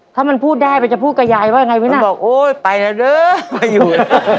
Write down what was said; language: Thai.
ถ้ามันพูดได้มันจะพูดกับยายว่ายังไงไว้น่ะมันบอกโอ้ยไปน่ะด้วยไปอยู่